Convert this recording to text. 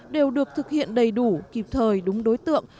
đều được thực hiện đầy đủ kịp thời đúng đối tượng